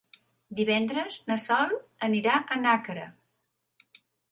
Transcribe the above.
Divendres na Sol anirà a Nàquera.